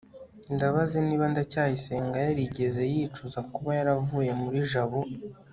ndabaza niba ndacyayisenga yarigeze yicuza kuba yaravuye muri jabo